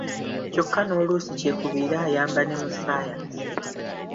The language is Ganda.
Kyokka nno oluusi kyekubiira ayamba ne mu ssaayansi!